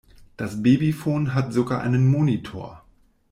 Das Babyfon hat sogar einen Monitor.